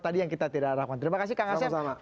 tadi yang kita tidak arahkan terima kasih kak ngashef